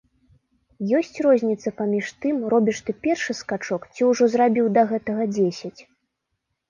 Ёсць розніца паміж тым, робіш ты першы скачок ці ўжо зрабіў да гэтага дзесяць?